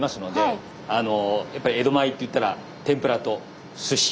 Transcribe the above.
やっぱり江戸前といったら天ぷらとすし。